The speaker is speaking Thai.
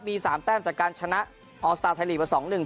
มีสามแต้มจากการชนะออสตาร์ไทยลีกว่าสองหนึ่ง